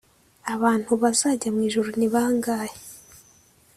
Abantu bazajya mu ijuru ni bangahe?